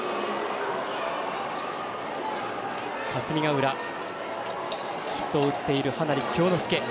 霞ヶ浦、ヒットを打っている羽成恭之介。